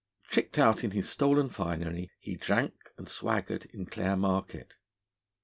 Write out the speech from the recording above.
Tricked out in his stolen finery, he drank and swaggered in Clare Market.